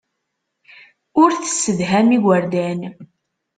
Ur tessedham igerdan.